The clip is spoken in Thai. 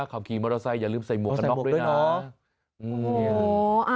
ขับขี่มอเตอร์ไซค์อย่าลืมใส่หมวกกันน็อกด้วยนะ